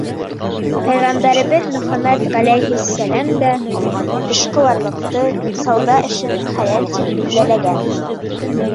Пәйғәмбәребеҙ Мөхәммәт ғәләйһис-сәләм дә эшҡыуарлыҡты, сауҙа эшен хәләл тип билдәләгән.